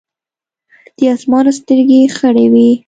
د اسمان سترګې خړې وې ـ